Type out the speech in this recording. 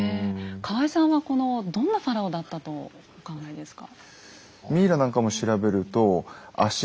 河江さんはこのどんなファラオだったとお考えですか？